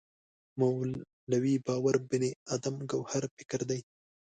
مولوی باور بني ادم ګوهر فکر دی.